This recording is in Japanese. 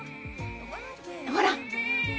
ほら！